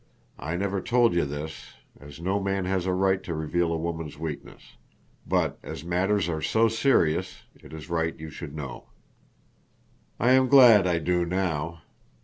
I never told you this, as no man has a right to reveal a woman's weakness. But, as matters are so serious, it is right you should know." "I am glad I do know.